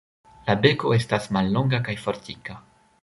La beko estas mallonga kaj fortika.